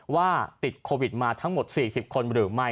ว่าติดโควิดมาทั้งหมด๔๐คนหรือไม่